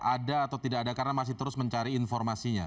ada atau tidak ada karena masih terus mencari informasinya